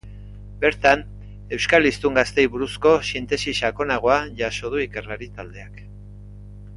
Bertan, euskal hiztun gazteei buruzko sintesi sakonagoa jaso du ikerlari taldeak.